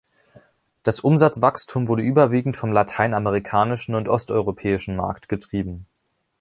Das Umsatzwachstum wurde überwiegend vom lateinamerikanischen und osteuropäischen Markt getrieben.